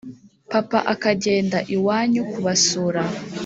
papa akagenda iwanyu kubasura